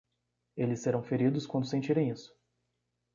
Eles serão feridos quando sentirem isso.